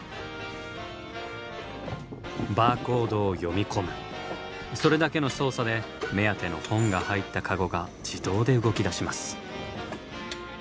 バーコードを読み込むそれだけの操作で目当ての本が入ったカゴが自動で動きだします。